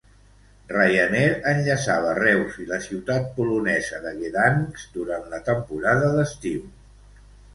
Ryanair enllaçava Reus i la ciutat polonesa de Gdansk durant la temporada d'estiu.